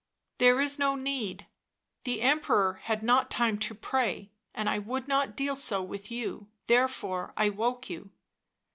" There is no need ; the Emperor had not time to pray, I would not deal so with you, therefore I woke you."